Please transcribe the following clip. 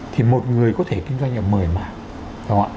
thì một người có thể kinh doanh ở một mươi mạng